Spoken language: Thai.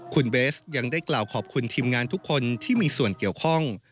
คุณเบสยังได้กล่าวขอบคุณทีมงานทุกคนที่มีส่วนเกี่ยวข้อง